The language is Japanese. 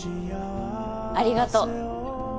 ありがとう。